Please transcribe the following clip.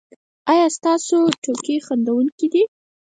ایا ستاسو ټوکې خندونکې دي؟